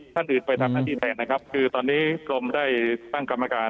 ท่านอื่นไปทำหน้าที่แทนนะครับคือตอนนี้กรมได้ตั้งกรรมการ